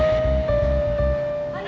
terima kasih bu